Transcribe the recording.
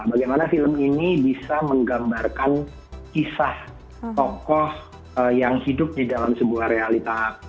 bagaimana film ini bisa menggambarkan kisah tokoh yang hidup di dalam sebuah realita